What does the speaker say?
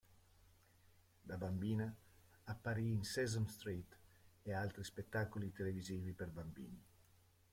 Da bambina, apparì in Sesame Street e altri spettacoli televisivi per bambini.